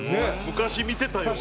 昔見てたような。